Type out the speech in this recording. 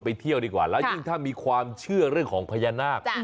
เที่ยวดีกว่าแล้วยิ่งถ้ามีความเชื่อเรื่องของพญานาค